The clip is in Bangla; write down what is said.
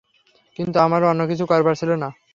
কিন্তু আমার অন্য কিছু করবার ছিল না।